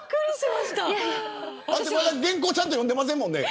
まだ原稿、ちゃんと読んでませんもんね。